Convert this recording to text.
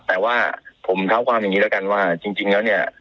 แต่ว่าผมเท้าความอย่างนี้แล้วกันว่าจริงแล้วเนี่ย